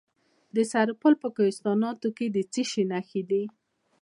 د سرپل په کوهستانات کې د څه شي نښې دي؟